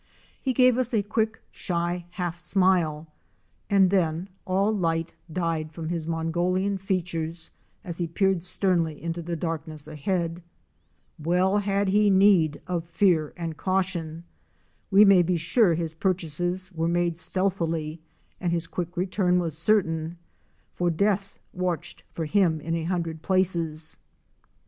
He gave us a quick, shy, half smile, and then all light died from his Mongolian features and he peered sternly into the darkness ahead. Well had he Fic. 72. PALM TANAGER. need of fear and caution. We may be sure his purchases were made stealthily and his quick return was certain, for death watched for him in a hundred places.